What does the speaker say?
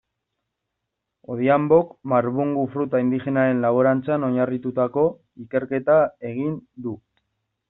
Odhiambok marbungu fruta indigenaren laborantzan oinarritututako ikerketa egin du.